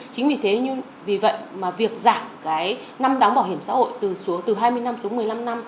chính vì thế vì vậy việc giảm năm đóng bảo hiểm xã hội từ hai mươi năm xuống một mươi năm năm